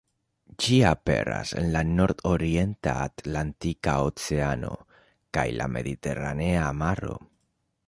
Ĝi aperas en la nord-orienta Atlantika Oceano kaj la Mediteranea Maro.